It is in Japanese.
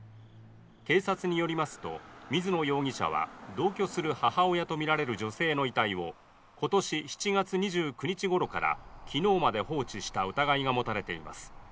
警察によりますと水野容疑者は同居する母親とみられる女性の遺体を今年７月２９日ごろからきのうまで放置した疑いが持たれています